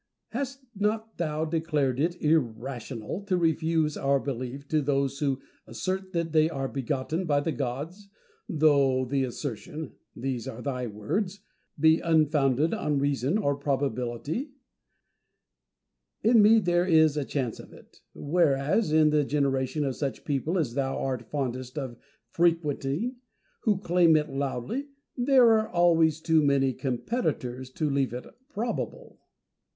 Hast not thou, declared it irrational to refuse our belief to those who assert that they are begotten by the gods, though the assertion (these are thy words) be unfounded on reason or probability 1 In me there is a chance of it : whereas in the generation of such people as thou art fondest of frequenting, who claim it loudly, there are always too many competitors to leave it probable.